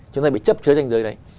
chúng ta bị chấp chứa tranh giới đấy